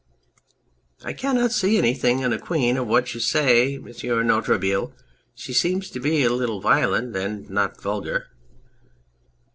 I cannot see anything in the Queen of what you say, M. de Noiretable. She seems to be a little violent, but not vulgar.